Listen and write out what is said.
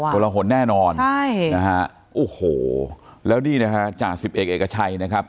กละหนแน่นอนใช่นะฮะโอ้โหแล้วนี่จาศิพกร์เอเกชัยนะครับ